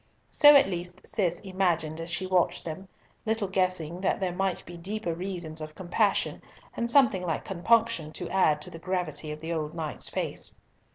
So at least Cis imagined as she watched them, little guessing that there might be deeper reasons of compassion and something like compunction to add to the gravity of the old knight's face.